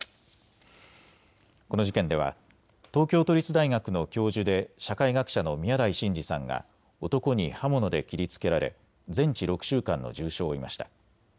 この事件では東京都立大学の教授で社会学者の宮台真司さんが男に刃物で切りつけられ全治６週間の重傷を負いました。